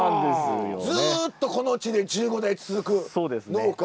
ずっとこの地で１５代続く農家？